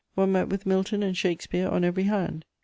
One met with Milton and Shakespeare on every hand.